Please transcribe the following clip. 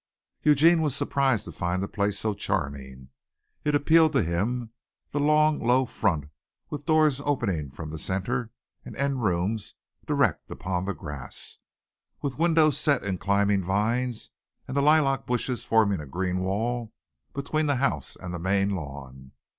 Eugene was surprised to find the place so charming. It appealed to him, the long, low front, with doors opening from the centre and end rooms direct upon the grass, with windows set in climbing vines and the lilac bushes forming a green wall between the house and the main lawn.